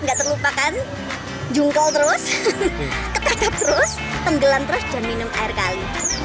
nggak terlupakan jungkol terus ketake terus tenggelam terus dan minum air kali